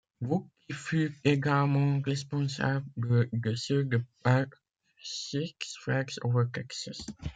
Wood, qui fut également responsable de ceux du parc Six Flags Over Texas.